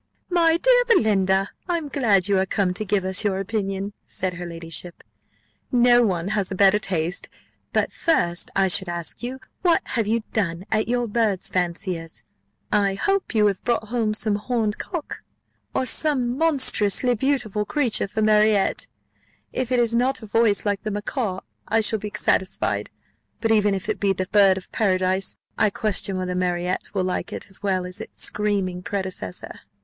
"My dear Belinda! I am glad you are come to give us your opinion," said her ladyship; "no one has a better taste: but first I should ask you what you have done at your bird fancier's; I hope you have brought home some horned cock, or some monstrously beautiful creature for Marriott. If it has not a voice like the macaw I shall be satisfied; but even if it be the bird of paradise, I question whether Marriott will like it as well as its screaming predecessor."